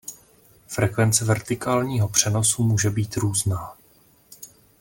Frekvence vertikálního přenosu může být různá.